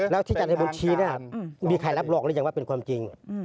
แล้วที่จัดระบบชี้น่ะมีใครรับรองหรือยังว่าเป็นความจริง